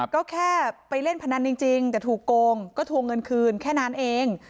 ก็แค่ไปเล่นพนันจริงแต่ถูกโกงก็ทวงเงินคืนแค่นั้นเอง